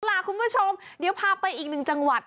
ล่ะคุณผู้ชมเดี๋ยวพาไปอีกหนึ่งจังหวัด